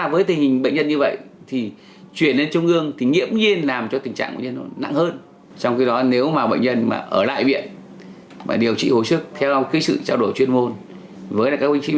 với nghề nghiệp của tôi